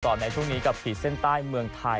ในช่วงนี้กับขีดเส้นใต้เมืองไทย